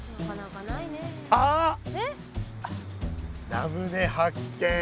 ラムネ発見！